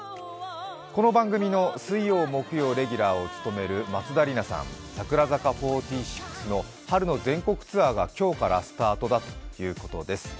この番組の水曜、木曜レギュラーを務める松田里奈さん、櫻坂４６の春の全国ツアーが今日からスタートだということです。